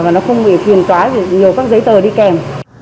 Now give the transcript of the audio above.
nó không bị phiền toái nhiều các giấy tờ đi kèm